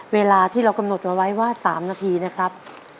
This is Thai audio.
เวลาที่เรากำหนดเอาไว้ว่า๓นาทีนะครับ